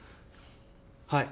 はい。